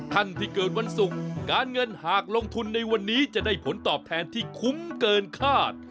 ท่านที่เกิดวันศุกร์การเงินหากลงทุนในวันนี้จะได้ผลตอบแทนที่คุ้มเกินคาด